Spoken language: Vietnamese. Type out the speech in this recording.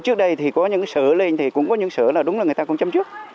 trước đây thì có những sở lên thì cũng có những sở là đúng là người ta cũng châm trước